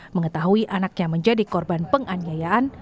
mengetahui anaknya menjadi korban penganiayaan